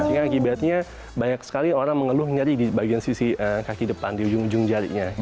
jadi kan akibatnya banyak sekali orang mengeluh nyari di bagian sisi kaki depan di ujung ujung jarinya